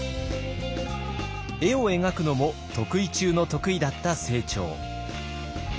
絵を描くのも得意中の得意だった清張。